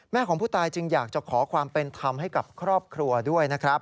ของผู้ตายจึงอยากจะขอความเป็นธรรมให้กับครอบครัวด้วยนะครับ